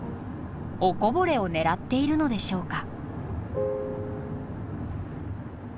おこぼれを狙っているのでしょうか。